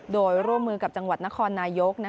โดยร่วมมือกับจังหวัดนครนายก